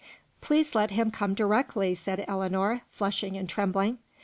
"Please let him come directly," said Ellinor, flushing and trembling.